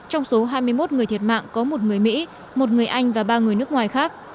trong số hai mươi một người thiệt mạng có một người mỹ một người anh và ba người nước ngoài khác